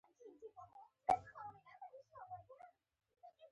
ميرويس خان غلی شو، ورور يې په حيرانۍ ورته کتل.